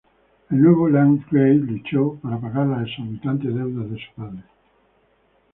El nuevo landgrave luchó para pagar las exorbitantes deudas de su padre.